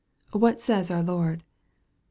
What says our Lord ?